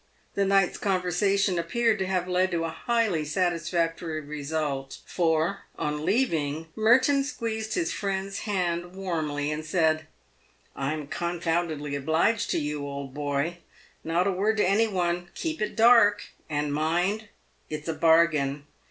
The night's conver sation appeared to have led to a highly satisfactory result, for, on leaving, Merton squeezed his friend's hand warmly, and said, " I'm confoundedly obliged to you, old boy. Not a word to any one — keep it dark. And mind, it's a bargain.